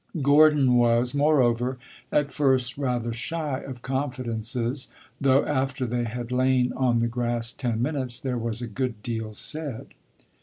Gordon was, moreover, at first rather shy of confidences, though after they had lain on the grass ten minutes there was a good deal said.